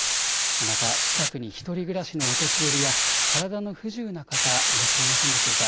また近くに１人暮らしのお年寄りや体の不自由な方、いらっしゃいませんでしょうか。